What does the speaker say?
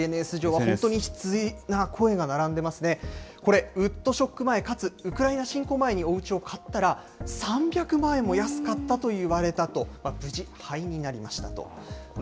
ＳＮＳ上は本当に悲痛な声が並んでますね、これウッドショック前、ウクライナ侵攻前におうちを買ったら、３００万円も安かったと言われたと、無事灰になりましたと。